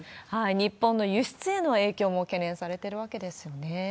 日本の輸出への影響も懸念されてるわけですよね。